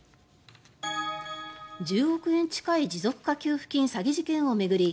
１０億円近い持続化給付金詐欺事件を巡り